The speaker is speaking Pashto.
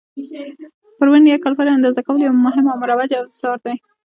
پر ورنیز کالیپر اندازه کول یو مهم او مروج افزار دی.